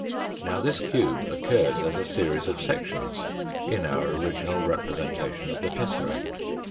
116. Now this cube occurs as a series of sections in our original representation of the tesseract.